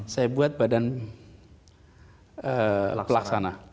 saya buat badan pelaksana